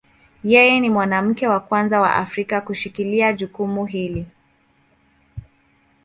Yeye ni mwanamke wa kwanza wa Kiafrika kushikilia jukumu hili.